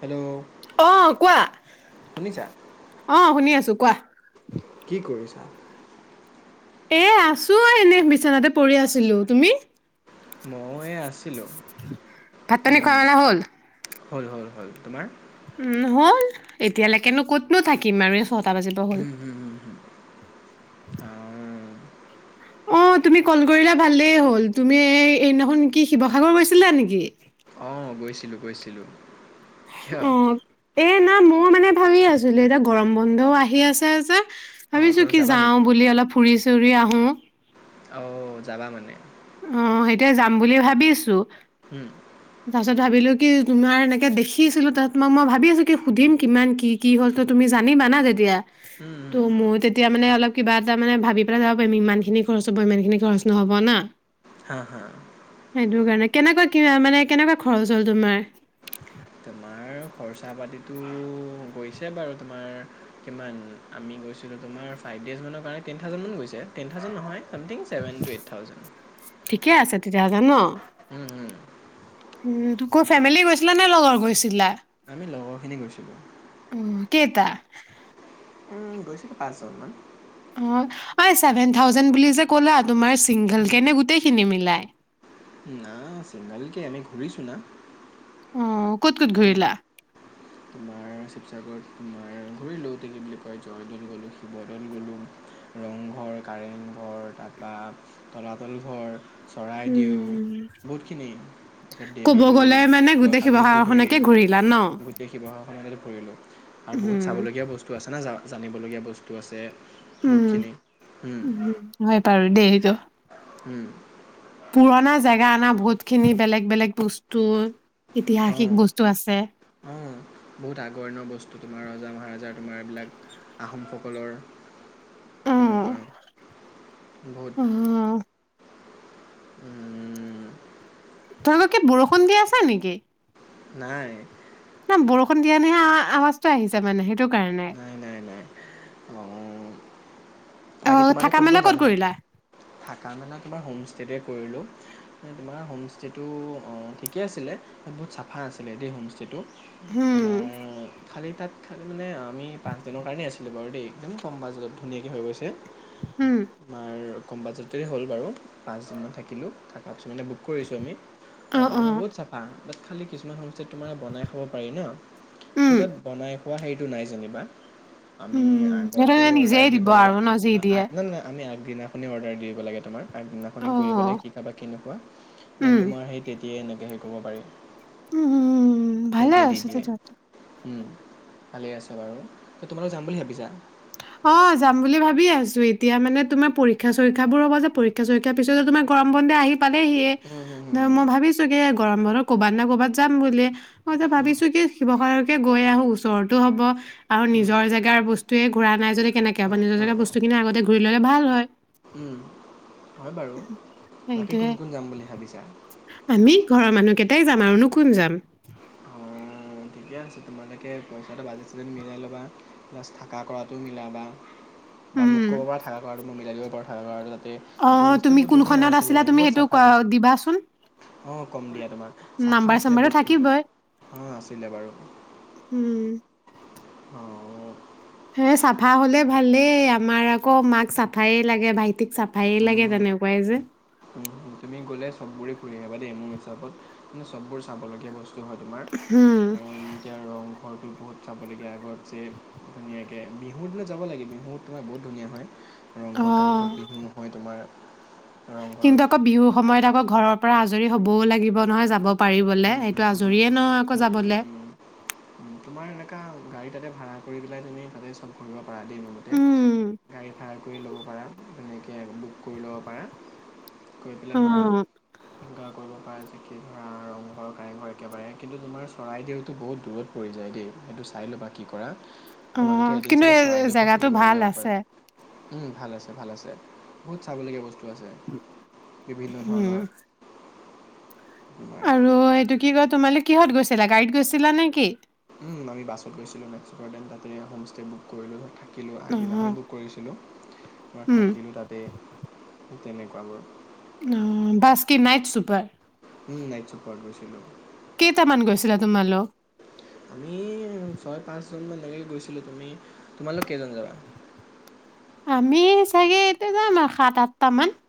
Hello [unintelligible] অ কোৱা শুনিছা? অ শুনি আছো। কোৱা। কি কৰিছা? এ আছো এনে বিচনাতে পৰি আছিলো তুমি? মই আছো ভাত-পানী খোৱা-লোৱা হ'ল? হ'ল হ'ল হ'ল তোমাৰ। উম, হ'ল এতিয়ালৈকেনো ক'তনো থাকিম আৰু। নটা বাজিবৰ হ'ল। আ, অ। অ' তুমি কল কৰিলা ভালেই হল, তুমি এই এইদিনাখন কি শিৱসাগৰ গৈছিলা নেকি? অ' গৈছিলোঁ গৈছিলোঁ। কিয়? অ' এ না মোৰ মানে ভাবি আছিলো, এতিয়া গৰম বন্ধও আহি আছে যে। অ', ভাবিছো তই কি যাবা যাওঁ নেকি? বুলি অলপ ফুৰি-চুৰি আহো। অ', যাবা মানে? অহ' সেইটোয়ে যাম বুলি ভাবি আছোঁ। উম, তাৰ পিছত ভাবিলো কি তোমাৰ এনেকে দেখিছিলো তাত তোমাক মই ভাবি আছো কি সুধিম কিমান কি কি হ'ল ত' তুমি জানিবা না তেতিয়া। উম, ত' উম, মই তেতিয়া মানে অলপ কিবা এটা মানে ভাবি পেলাই যাব পাৰিম ইমানখিনি খৰচ হ'ব, ইমানখিনি খৰচ নহ'ব না। হা, হা! কেনেকৈ কি মানে কেনেকুৱা খৰচ হ'ল তোমাৰ। তোমাৰ খৰচা পাতিটো গৈছে বাৰু তোমাৰ, কিমান আমি গৈছিলোঁ তোমাৰ ফাইভ ডেইজমানৰ কাৰণে টেন থাউজেণ্ড মান গৈছে, টেন থাউজেণ্ড নহয়। Something, seven two eight thousand. তেতিয়া হলে ন' উম হম। কোন ফেমিলি গৈছিলা নে লগৰ গৈছিলা। আমি লগৰখিনি গৈছিলোঁ। তা উম গৈছিলো পাঁচজনমান। অহ অই ছেভেন থাউজেণ্ড বুলি যে ক'লা তোমাৰ চিংগল কে নে গোটেই খিনি মিলাই না চিংগালকে আমি ঘুৰিছো না অ ক'ত ক'ত ঘূৰিলা তোমাৰ শিৱসাগৰত তোমাৰ ঘুৰিলোতে কি বুলি কয় জয়দৌল গ'লোঁ শিৱদ'ল গ'লোঁ ৰংঘৰ কাৰেংঘৰ তাৰপৰা তলাতল ঘৰ চৰাইদেউ উম বহুতখিনি তাৰপিছত ক'ব গ'লে দেৱীদৌল মানে গোটেই জয়সাগৰ উহৰি শিৱসাগৰখনকে ঘূৰিলা ন? গোটেই শিৱসাগৰখনত ঘুৰিলোঁ আৰু বহুত উম, চাবলগীয়া বস্তু আছে না যাওঁ জানিবলগীয়া বস্তু আছে উম বহুতখিনি উম, উ হয় পাৰো দেইে এইটো হম পুৰণা জেগা অনা বহুতখিনি বেলেগ বেলেগ বস্তু ইতিহাসিক অ' বস্তু আছে। অ' বহুত আগৰ ন' বস্তু তোমাৰ ৰজা মহাৰজাৰ তোমাৰ এইবিলাক আহোমসকলৰ তেনেকুৱা বহুত উম উম তোমোকে বৰষুণ দি আছা নেকি নাই ন' বৰষুণ দিয়া নেহে আআ আৱাজটো আহিছে মানে সেইটো কাৰণে। নাই নাই নাই অ' বাকী অ', তোমালোক থাকা কোন কোন মেলা ক'ত যাম হে কৰিলা? থাকা-মেলা তোমাৰ হোম ষ্টেতে কৰিলোঁ তোমাৰ হোমষ্টেটো অহ' ঠিকেই আছিলে বহুত চাফা আছিলে দেই হোমষ্টেটো উম, তোমাৰ খালি তাত খালি মানে অহ' আমি পাঁচদিনৰ কাৰণেই আছিলোঁ বাৰু দেই একদম কম বাজেটত ধুনীয়াকে হৈ গৈছে উম, তোমাৰ কম বাজেটেৰে হ'ল বাৰু পাঁচদিনমান থাকিলো থাকা কিছুমানে বুক কৰিছোঁ আমি অ', তাৰপৰা তোমাৰ অ', বহুত চাফা তাত খালী কিছুমান [unintelligible] তাতে তোমাৰ বনাই খাব পাৰি ন' চো উম, তাত বনাই অ' সেইটো নাই যেনিবা আমি উম, সেইটো আগতে অৰ্ডাৰ নিজেই দিব লাগা আৰু ন যি আ আ দিয়ে। [unintelligible] নাই আমি আমি দিনাখনি অৰ্ডাৰ দিব লাগে তোমাৰ আগদিনাখন কৈ দিব অ', লাগে কি খাবা কি নোখোৱা দেন' উম, তোমাৰ সেই তে সিয়ে এনেকৈ হেৰি কৰিব পাৰি। উম, ভালে সেহতিয়ে দি আছে দিয়ে। তেতিয়াহ'লে। উম। ভালে আছে। বাৰু, তোমালোক যাম বুলি ভাবিছা? অ', যাম বুলি ভাবিয়ে আছো এতিয়া মানে তোমাৰ পৰীক্ষা-চৰীক্ষা বোৰ হ'ব যে, পৰীক্ষা চৰীক্ষা পিছত তোমাৰ গৰম বন্ধ আহি পালেহিয়ে, উম, হুম, হুম, হুম, মই ভাবিছো কি গৰম বন্ধত ক'বাত নে কৰ'বাত যাম বুলি মই এতিয়া ভাবিছো কি শিৱসাগৰকে গৈ আহো উচ চৰটো হ'ব আৰু হুম, নিজৰ হুম, জেগাৰ বস্তুয়ে ঘূৰা নাই যদি কেনেকে হ'ব হয় নিজৰ উম, জেগাৰ উম, বস্তুখিনি আগতে ঘূৰি ল'লে ভাল হয়। উম। হয় বাৰু বাকী সেইটোয়ে কোন কোন যাম বুলি ভাবিছা? তাই যাম, আৰুনো কোন যাম। অ', ঠিকে আছে তোমালোকে পইচাটো বাজেট-চাজেট মিলাই ল'বা, প্লাছ থাকা কৰাটো মিলাবা। বা মোক উম ক'ব পৰা থাকা-কৰাটো মই মিল দিব [unintelligible] [unintelligible] সেইটো অ', হোমষ্টে তুমি বহুত ধুনীয়া কোনখনত আছিলে আছিলা কিন্তু তুমি বহুত সেইটো চাফা কোৱা দে। দিবাচোন অ', কম দিয়া, তোমাক চাফা নাম্বাৰ আছিলে চাম্বাৰটো বহুত কিন্তু থাকিবই অ' ছিলে বাৰু। উম অঁ এ চাফা হলে ভালেই, আমাৰ আকৌ মাক চাফাইে লাগে, ভাইটি তিক চাফাইে লাগে উম। তেনেকুৱাই যে। উম, তুমি গ'লে চববোৰে ঘুৰি আহিবা দেই, মোৰ হচাপত মানে চববোৰ চাবলগীয়া বস্তু। হয় তোমাৰ, হম কাৰণ এতিয়া ৰংঘৰটো বহুত চাবলগীয়া, আগত যে ধুনীয়াকৈ বিহুত যাব লাগে বিহু তোমাৰ বহুত ধুনীয়া হয়। অ ৰংঘৰ কাৰেংঘৰত বিহু নহয় তোমাৰ ৰংঘৰত কিন্তু আকৌ বিহুৰ সময়ত আকৌ ঘৰত পৰা আজৰি হবও লাগিব নহয় যাব পাৰিবলৈ। উম উম এইটো উম আজৰিয়ে নহয় আকৌ উম উম উম যাবলৈ। উম। তোমাৰ এনেকুৱা গাড়ী তাতে ভাড়া কৰি পেলাই তুমি তাতে চব কৰি উম [unintelligible] কৰি ল'ব পাৰা। এনেকৈ বুক কৰি ল'ব পাৰা কৰি পেলাই অ ধৰা, যোগাৰ কৰিব পাৰা আজ কি ধৰা, ৰংঘৰ, কাৰেংঘৰ একেবাৰে কিন্তু তোমাৰ চৰাইদেউতটো বহুত দূৰত। পৰি যায় দেই, সেইটো চাই ল'বা কি কৰা। অ তোমালোকে এদিন কিন্তু চাগে এই চৰাইদেউৰ পৰা জেগাটো ভাল ঘুৰিবলগীয়া হ'ব পাৰে। আছে উম, ভাল আছে, ভাল আছে, বহুত চাবলগীয়া বস্ত আছে। বিভিন্ন উম ধৰণৰ তোমাৰ আৰু, এইটো কি কয় তোমালোক কিহত গৈছিলা গাড়ীত গৈছিলা নে কি? আমি বাছত গৈছিলো নাইট চুপাৰত, ডেন তাতে হোম ষ্টে বুক কৰিলোঁ থাকে থাকিলো। অ আগদিনাখন বুক কৰিছিলো। উম থাকিলো তাতে। তেনেকুৱাবোৰ অ', বাছ কি নাইট চুপাৰ? উম, নাইট চুপাৰত গৈছিলো। কেইটামান গৈছিলা তোমালোক? আমি ছয় পাঁচজনমান এনেকে গৈছিলো। তুমি, তোমালোক কেইজন যাবা? আমি চাগে এতিয়া যাম আৰু সাত আঠটামান।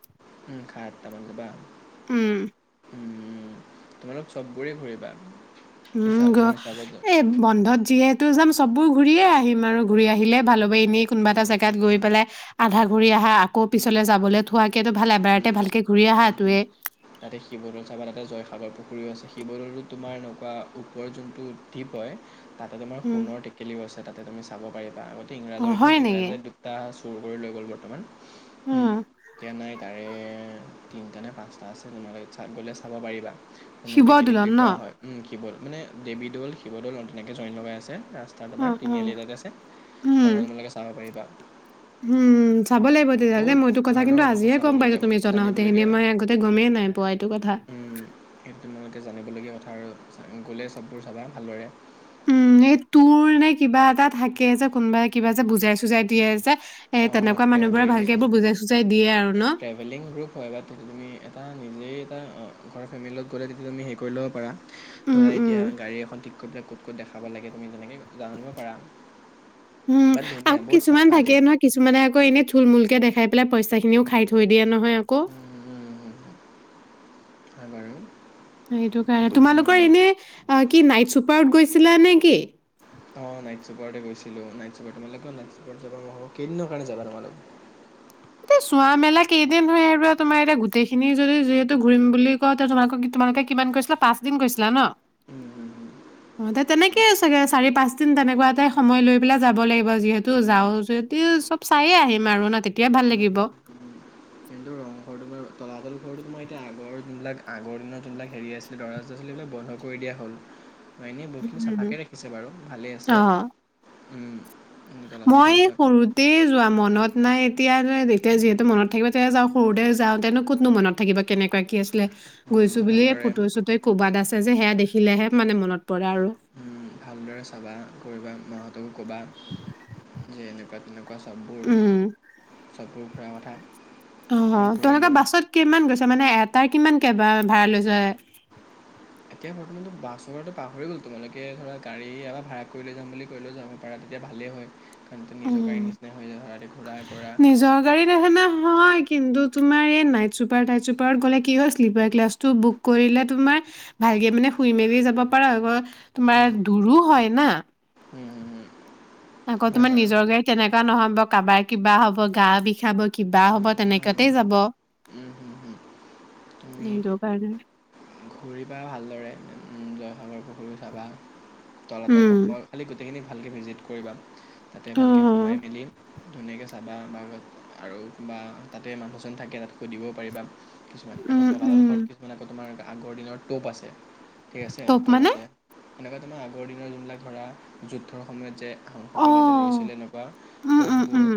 [unintelligible] উম উম, তোমালোক চববোৰেই ঘূৰিবা। উম, চা গ, মোৰ হিচাপত য এই বন্ধত যিয়ে তো যাম চববোৰ ঘূৰিয়ে আহিম আৰু, ঘূৰি আহিলে ভাল হ'ব। তুমি কোনোবা এটা উম, জেগাত উম, গৈ উম, পেলাই আধা ঘুৰি আহা আকৌ পিছলৈ যাবলৈ থোৱা কেটো ভাল এবাৰতে উম, ভালকে ঘূৰি আহা উম, তোয়ে। আগৰ পুখুৰীও আছে শিৱদলটো তোমাৰ এনেকুৱা ওপৰৰ যিটো দ্বীপ হয় তাতে তোমাৰ উম সোণৰ টেকেলিও আছে। তাতে তুমি চাব পাৰিবা আগ অ ইংৰাজৰ হয় দিনত নেকি ইংৰাজে দুটা চুৰি কৰি লৈ গ'ল বৰ্তমান। উম, এতিয়া নাই। চাৰে তিনিটা নে পাঁচটা আছে তোমালোকে গ'লে চাব পাৰিবা। সোণৰ টেকেলি শিৱদৌলত বুলি ন কোৱা হয়। উম শিৱদৌল, মানে দেৱীদৌল শিৱদৌল তেনেকৈ জইন লগাই আছে। ৰাস্তাত অ আমাৰ অ তিনিআলি এটা যে আছে, তাতে তোমালোকে চাব পাৰিবা। হম্ উম। চাব লাগিব তেতিয়াহলে বহুত মইটো কথা কিন্তু ধৰণৰ বস্তু আজিহে গম চাবলগীয়া পাইছোঁ মানে তুমি জনাওঁতে এনে জানিবলগীয়া মই আগতে গমেই নাই পোৱা এইটো কথা। উম, সেইটো তোমালোকে জানিবলগীয়া কথা আৰু গ'লে সকলোবোৰ চাবা ভালদৰে। উম এই [inaudible] নে কিবা এটা থাকে যে কোনোবাই কিবা যে বুজাই-চুজাই দিয়ে যে এই অ', তেনেকুৱা মানুহবোৰে ভালকে ট্ৰেভেলিং এইবোৰ বুজাই-চুজাই দিয়ে আৰু ন ট্ৰেভেলিং গ্ৰুপ হয় বা তুমি তুমি এটা নিজেই এটা ঘৰৰ ফেমিলি লগত গ'লে তেতিয়া তুমি হেৰি কৰি ল'ব পাৰা। উম, ধৰা উম, এতিয়া গাড়ী এখন ঠিক কৰি [inaudible] ক'ত দেখাব লাগে তুমি তেনেকে উম, বাট ধুনীয়া আকৌ বহুত কিছুমান চাফা থাকে দেই নহয় কিছুমানে আকৌ এনে থুল্-মূল কে দেখাই পেলাই পইচা খিনিও খাই থৈ দিয়া নহয় আকৌ। হয় বাৰু। সেইটো কাৰণে তোমালোকৰ এনে কি নাইট চুপাৰত গৈ ছিলা নেকি? অ নাইট চুপাৰতে গৈছিলো। নাইট চুপাৰ তোমালোকেও নাইট চুপাৰত যাবা মইও, কেইদিনৰ কাৰণে যাবা তোমালোক? এতিয়া চোৱা মেলা কেইদিন হয় আৰু তোমাৰ এতিয়া গোটেইখিনি যদি যিহেতু ঘূৰিম বুলি কওঁতে, তোমাক তোমালোকে কিমান কৈছিলা পাঁচদিন‌ কৈছিলা ন? অ', তেনেকেই চাগে চাৰি পাঁচ [inaudible] তেনেকুৱা এটাই সময় লৈ পেলাই যাব লাগিব। যিহেতু যাওঁ যেতিয়া সব চাইয়ে আহিম আৰু ন তেতি তেতিয়া ভাল লাগিব। কিন্তু ৰংঘৰটো বা তলাতল ঘৰটো তোমাৰ এতিয়া আগৰ যিবিলাক আগৰ দিনত যিবিলাক হেৰি আছিলে [inaudible] আছিলে এইবিলাক বন্ধ কৰি দিয়া হ'ল। এনেই বহুতখিনি উম, চাফাকৈ ৰাখিছে বাৰু ভালেই আছে। অ'। উম। উম, চলাচল মই খৰচা ক- সৰুতে যোৱা মনত নাই [unintelligible] এতিয়া যিহেতু মনত থাকিব তিতিয়া যাওঁ সৰুতে যাওঁতেনো কতনো মনত থাকিব কেনেকুৱা কি আছে। [unintelligible] উম, গৈছো বুলিয়ে ভালদৰে ফটো চুটো ক'বাত আছে [unintelligible] সেয়া দেখিলেহে মানে মনত পৰে আৰু উম, ভালদৰে চাবা কৰিবা। মাহঁতকো ক'বা যে এনেকুৱা তেনে উম [unintelligible] [unintelligible] অ', অ', তোমালোকৰ বাছত কিমান গৈছে? মানে এটাই কিমানকে বা ভাড়া লৈছে? এতিয়া বৰ্তমানতো বাছৰটো পাহৰি গ'লো। তোমালোকে ধৰা গাড়ী ইয়াৰ পৰা ভাড়া কৰি লৈ যাম বুলি কৰি লৈ যাব পাৰা তেতিয়া ভালেই হয়। [unintelligible] নিজৰ উম গাড়ী নিচিনা হৈ যায় [unintelligible] ঘূৰা কৰা। নিজৰ গাড়ী দেখা হয় কিন্তু তোমাৰ এই নাইট চুপাৰ টাইট চুপাৰত গ'লে কি হয় শ্লিপাৰ ক্লাছটো বুক কৰিলে তোমাৰ ভালকে মানে শুই মেলি যাব পৰা উম, তোমাৰ দূৰো হয়। না? উম। আকৌ হয় তোমাৰ বাৰু নিজৰ গাড়ীত তেনেকা নহয় কাবাৰ কিবা হ'ব, গা বিষাব। কিবা উম, হ'ব, উম, উম, তেনেকুৱাতে যাব। উম, উম, উম। তুমি নিজৰ কাৰণে। ঘূৰিবা ভালদৰে উম, জয়সাগৰ পুখুৰীও চাবা। তলাতল উম, [unintelligible] সিকিনি ভালকে ভিজিট কৰিবা। তাতে ভালকে সোমাই অ', মেলি ধুনীয়াকে বা, আৰু বা তাতে মানুহ-চানুহ থাকে তাত সুধিবও পাৰিবা কিছুমান আকৌ উম, তলাতল ঘৰত উম, কিছুমানে আকৌ তোমাৰ আগৰ দিনৰ তোপ আছে। ঠিক আছে, তোক তোপ মানে আছে। এনেকুৱা তোমাৰ আগৰ দিনৰ যোনবিলাক ধৰা যুদ্ধৰ সময়ত যে সকলোৱে যে লৈছিল অ', এনেকুৱা উম, উম, তোপবোৰ। উম,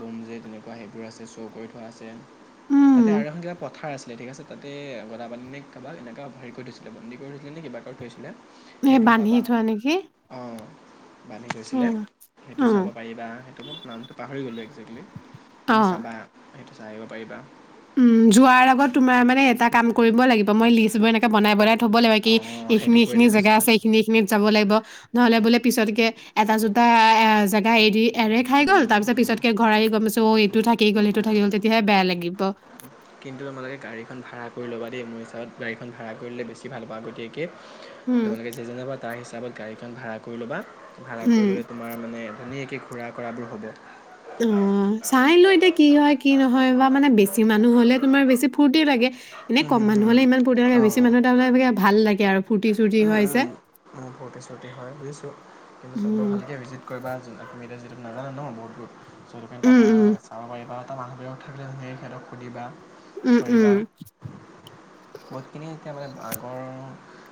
ব'ম যে তেনেকুৱা সেইবোৰ আছে শ্ব' কৰি থোৱা আছে। তাতে আৰু উম, এখন কিবা পথাৰ আছে। ঠিক আছে তাতে গদাপানীনে কাবাক এনেকা হেৰি কৰি থৈছিলে বন্দী কৰি থৈছিলে নে কিবা কৰি থৈছিলে। নে সেইটো বান্ধি চাবা থোৱা নেকি। অঁ বান্ধি তইছিলে। উম, সেইটো উম, চাব পাৰিবা। সেইটো মই নামটো পাহৰি গ'লো টিকলি। তুমি চাবা? সেইটো চাই আহিব পাৰিবা। ও', যোৱাৰ আগত তোমাৰ মানে এটা কাম কৰিব লাগিব। মই লিষ্ট বোৰ এনেকে বনাইনাই থ'ব লাগিব। কি অঁ সেইটো এইখিনি এইখিনি কৰিলে বেছি জেগা ভাল আছে, এইখিনি এইখিনিত যাব লাগিব নহলে বোলে পিছতকে এটা জোটা এ জেগা এৰি এৰে খাই গ'ল। উম তাৰ পিছত উম পিছতকে ঘৰ আহি গম পাইছো ও এইটো উম থাকি গ'ল উম সেইটো থাকি গ'ল উম তেতিয়াহে বেয়া লাগিব। ত। কিন্তু তোমালোকে গাড়ীখন ভাড়া ল'বা দেই। মোৰ হিচাবত গাড়ীখন ভাড়া কৰিলে বেছি ভাল হব, আগতিয়াকে। উম, তোমালোকে যিজনে বা [unintelligible] তাৰ পৰা গাড়ীখন ভাড়া কৰি লবা ভাড়া কৰি উম, ললে তোমাৰ মানে ধুনীয়াকে ঘূৰা কৰাবোৰ হ'ব। অ' চাই লওঁ এতিয়া কি হয় কি নহয় বা মানে বেছি মানুহ হলে তোমাৰ বেছি ফুৰ্তি লাগে। এনে উম কম হুম মানুহ হুম হ'লে ইমান ফৰ্তি নালাগে বেছি মানুহ এটা হ'লে তাৰানে ভাল লাগে আৰু। ফূৰ্তি চূৰ্তি ও, হয় যে। ও, ফূৰ্তি চূৰ্তি হয়, বুজিছো কিন্তু চববোৰ উম, ভালকে ভিজিট কৰিবা নাজানা ন' মোৰ দুখ। লৈকে উম, তাৰপৰা উম, চাব পাৰিবা। [unintelligible] উম, ধৰিবা, উম, বহুতখিনিয়ে এতিয়া মানে আগৰ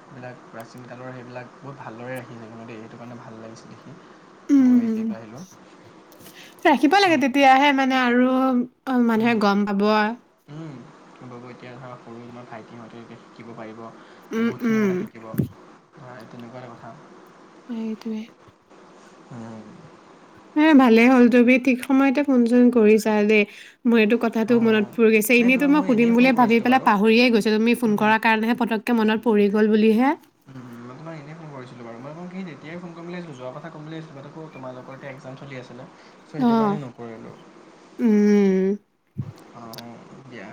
সেই বিলাক, প্ৰচীন কালৰ সেইবিলাক, বহুত ভালদৰে ৰাখিছে কিন্ত দেই, সেইতো কাৰণে ভাল লাগিছিল দেখি। গৈ উম। যিহেতু আহিলো ৰাখিব লাগে হম। তেতিয়াহে মানে আৰু অ', মানুহে গম পাব। বাব এতিয়া ধৰক সৰু তোমাৰ ভাইটিহঁতে এতিয়া শিকিব পাৰিব। উম, বহুতখিনি উম। কথা শিকিব ধৰা তেনেকুৱাই কথা। সেই টোৱেই। উম। হে ভালে হ'ল তুমি ঠিক সময়তে ফোন চোন কৰিছা দেই। মোৰ এইটো কথাটো মনত অ', পৰিছে এনেইটো মোৰ এইটো কথাতো মনত পৰি গৈছে, নাই এনেইতো তুমি মই সুধিম এনেই ফোন বুলি ভাবি কৰিছিলোঁ পেলাই বাৰু পাহৰিয়ে গৈছো তুমি উম, ফোন হুম। কৰাৰ কাৰণেহে পতককে মনত পৰি গ'ল বুলিহে। ৱা বাৰ মই সেই তেতিয়াই ফোনম বুলি ভাবিছিলো, যোৱা কথা কম বুলি ভাবিছিলো, আকৌ তোমালোকৰতো একযাম চলি আছিলে। সেইটো কাৰণে অ', নকৰিলোঁ উম। অ', ' দিয়া,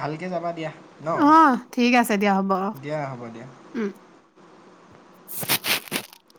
ভালকে যাবা দিয়া। ন' আহ ঠিক আছে দিয়া হ'ব অ', দিয়া হ'ব দিয়া। উম। [inaudible]